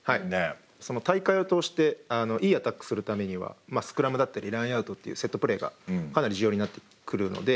大会を通していいアタックするためにはスクラムだったりラインアウトっていうセットプレーがかなり重要になってくるので。